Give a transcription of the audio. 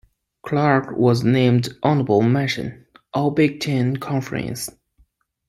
Clark was named honorable mention All-Big Ten Conference.